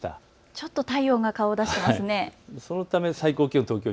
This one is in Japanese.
ちょっと太陽が顔を出していますね。